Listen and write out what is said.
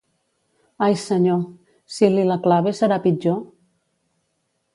Ai Senyor!, si li la clave serà pitjor?